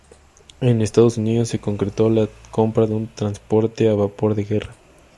En Estados Unidos se concretó la compra de un transporte a vapor de guerra.